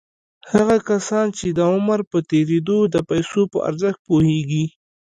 هغه کسان چې د عمر په تېرېدو د پيسو په ارزښت پوهېږي.